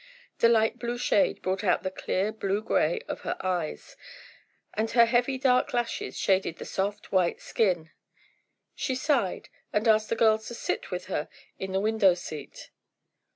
The light blue shade brought out the clear blue grey of her eyes, and her heavy dark lashes shaded the soft, white skin. She sighed, and asked the girls to sit with her in the window seat.